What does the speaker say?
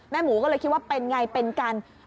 หมูก็เลยคิดว่าเป็นไงเป็นกัน